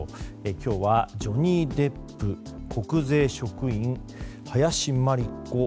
今日はジョニー・デップ、国税職員林真理子